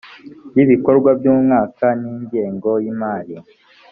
y ibikorwa by umwaka n ingengo y imari